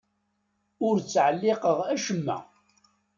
Ur ttɛelliqeɣ acemma.